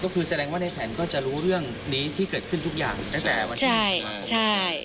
ก็คือแสดงว่าในแผนก็จะรู้เรื่องนี้ที่เกิดขึ้นทุกอย่างตั้งแต่วันที่มาใช่